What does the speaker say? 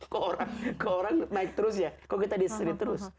kok orang naik terus ya kok kita diserit terus